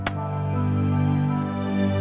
kakek tidak tahu serayu